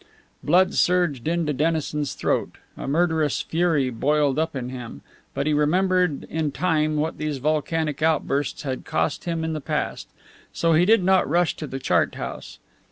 Blood surged into Dennison's throat; a murderous fury boiled up in him; but he remembered in time what these volcanic outbursts had cost him in the past. So he did not rush to the chart house.